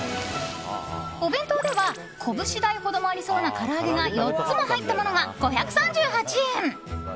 お弁当ではこぶし大ほどもありそうなから揚げが４つも入ったものが５３８円。